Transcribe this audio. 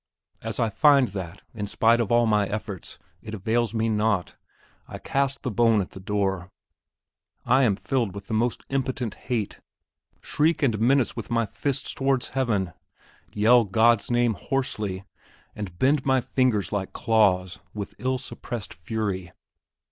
As I find that, in spite of all my efforts, it avails me naught, I cast the bone at the door. I am filled with the most impotent hate; shriek, and menace with my fists towards Heaven; yell God's name hoarsely, and bend my fingers like claws, with ill suppressed fury....